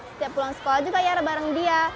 setiap pulang sekolah juga ya bareng dia